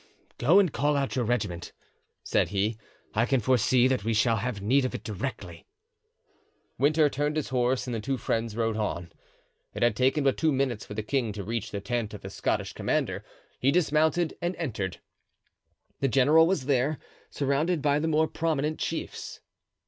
"Go and call out your regiment," said he; "I can foresee that we shall have need of it directly." Winter turned his horse and the two friends rode on. It had taken but two minutes for the king to reach the tent of the Scottish commander; he dismounted and entered. The general was there, surrounded by the more prominent chiefs.